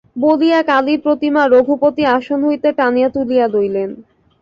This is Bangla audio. বলিয়া কালীর প্রতিমা রঘুপতি আসন হইতে টানিয়া তুলিয়া লইলেন।